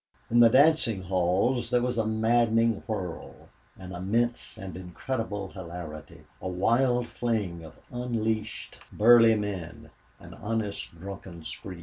In the dancing halls there was a maddening whirl, an immense and incredible hilarity, a wild fling of unleashed, burly men, an honest drunken spree.